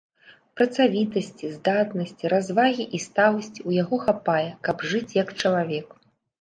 Працавітасці, здатнасці, развагі і сталасці ў яго хапае, каб жыць, як чалавек.